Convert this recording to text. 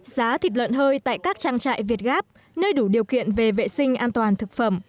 giá thịt lợn hơi tại các trang trại việt gáp nơi đủ điều kiện về vệ sinh an toàn thực phẩm